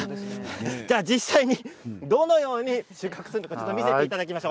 実際にどのように収穫するのか見せていただきましょう。